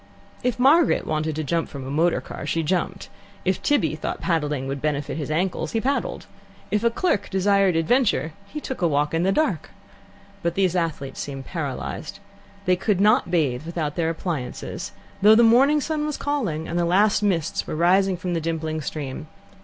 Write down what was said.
If Margaret wanted to jump from a motor car, she jumped; if Tibby thought paddling would benefit his ankles, he paddled; if a clerk desired adventure, he took a walk in the dark. But these athletes seemed paralysed. They could not bathe without their appliances, though the morning sun was calling and the last mists were rising from the dimpling stream.